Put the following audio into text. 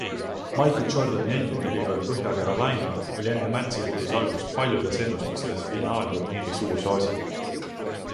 Michael Jordani endine ülikool Põhja-Carolina oli enne märtsihulluse algust paljudes ennustustes finaalturniiri suursoosik.